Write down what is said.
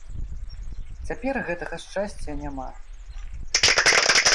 Цяпер гэтага шчасця няма.